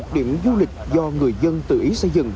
một mươi một điểm du lịch do người dân tự ý xây dựng